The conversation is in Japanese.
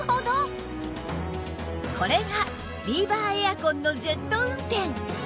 これがビーバーエアコンのジェット運転